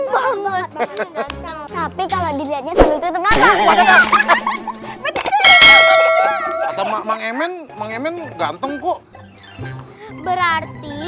banget tapi kalau dilihatnya itu mengapa maka mengenal mengenal gantung kok berarti